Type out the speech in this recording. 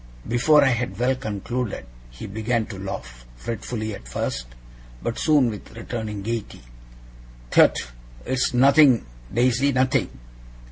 Before I had well concluded, he began to laugh fretfully at first, but soon with returning gaiety. 'Tut, it's nothing, Daisy! nothing!